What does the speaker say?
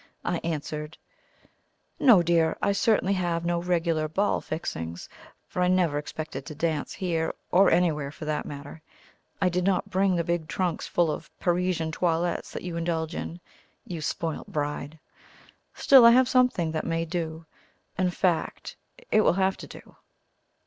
I answered: "No, dear; I certainly have no regular ball 'fixings,' for I never expected to dance here, or anywhere for that matter. I did not bring the big trunks full of Parisian toilettes that you indulge in, you spoilt bride! Still I have something that may do. In fact it will have to do."